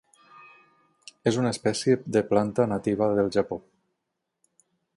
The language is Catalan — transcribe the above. És una espècie de planta nativa del Japó.